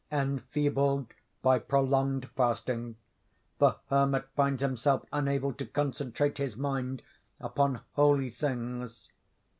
Enfeebled by prolonged fasting, the hermit finds himself unable to concentrate his mind upon holy things.